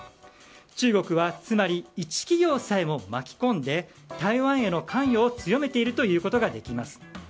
中国はつまり一企業さえも巻き込んで台湾への関与を強めていると言うことができます。